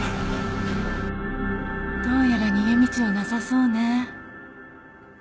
どうやら逃げ道はなさそうね。